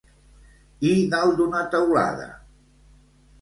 I dalt d'una teulada?